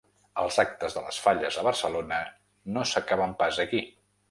Els actes de les falles a Barcelona no s’acaben pas aquí.